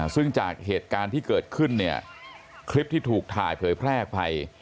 ซึ่งจากเหตุการณ์ที่เกิดขึ้นเนี่ยคลิปที่ถูกถ่ายเผยแพร่ออกไป